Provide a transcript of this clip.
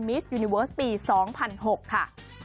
สยูนิเวิร์สปี๒๐๐๖ค่ะ